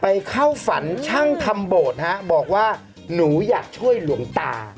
เข้าฝันช่างทำโบสถ์ฮะบอกว่าหนูอยากช่วยหลวงตา